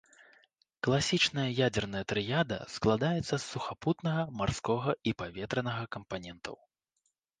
Класічная ядзерная трыяда складаецца з сухапутнага, марскога і паветранага кампанентаў.